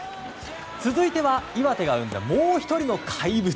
続いては岩手が生んだもう１人の怪物。